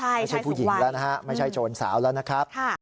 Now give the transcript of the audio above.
ไม่ใช่ผู้หญิงแล้วนะฮะไม่ใช่โจรสาวแล้วนะครับ